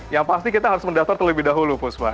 yang pasti kita harus mendaftar terlebih dahulu puspa